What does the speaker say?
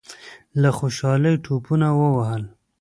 له خوشالۍ ټوپونه ووهل.